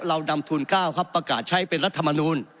เรานำทูล๙ครับประกาศใช้เป็นรัฐมนูล